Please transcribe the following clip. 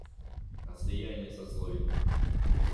А слияние сословий?